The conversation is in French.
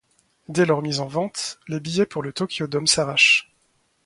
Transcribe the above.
Dès leurs mises en ventes les billets pour le Tokyo Dome s'arrachent.